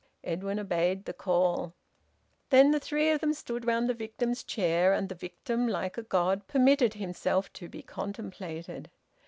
Edwin obeyed the call. Then the three of them stood round the victim's chair, and the victim, like a god, permitted himself to be contemplated.